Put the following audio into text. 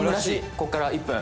ここから１分」